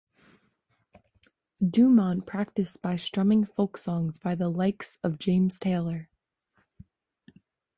Dumont practiced by strumming folk songs by the likes of James Taylor.